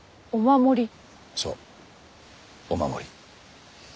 そうお守り。